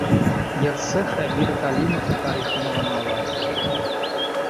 Йырсы Хәбир Ғәлимов тарихын ғына алайыҡ.